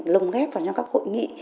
lồng ghép vào trong các hội nghị